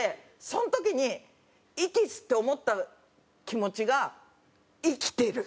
その時に息吸って思った気持ちが生きてる！